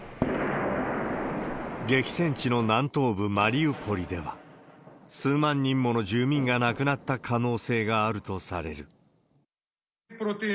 激戦地の南東部マリウポリでは、数万人もの住民が亡くなった可能性があるとされる。